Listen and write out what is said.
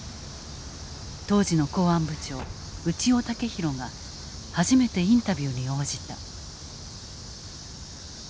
当時の公安部長内尾武博が初めてインタビューに応じた。